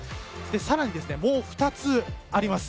さらにもう２つあります。